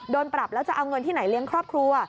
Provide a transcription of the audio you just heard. โดนปรับแล้วจะเอาเงินที่ไหนเลี้ยงครอบครัว